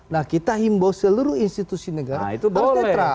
nah kita himbau seluruh institusi negara harus netral